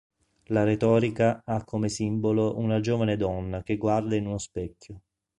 La retorica ha come simbolo una giovane donna che guarda in uno specchio.